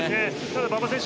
馬場選手